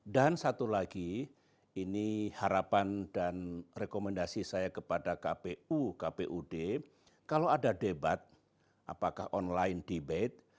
dan satu lagi ini harapan dan rekomendasi saya kepada kpu kpud kalau ada debat apakah online debate